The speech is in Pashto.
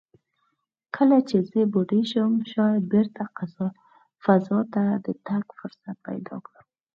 کله چې زه بوډۍ شم، شاید بېرته فضا ته د تګ فرصت پیدا کړم."